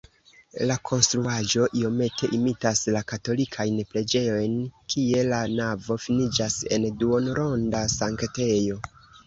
La konstruaĵo iomete imitas la katolikajn preĝejojn, kie la navo finiĝas en duonronda sanktejo.